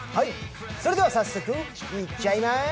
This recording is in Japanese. それでは早速行っちゃいま